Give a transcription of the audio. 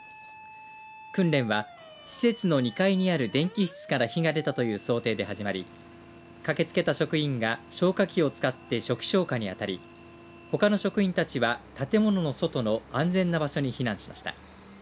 訓練は施設の２階にある電気室から火が出たという想定で始まり駆けつけた職員が消火器を使って初期消火にあたりほかの職員たちは建物の外の安全な場所に避難しました。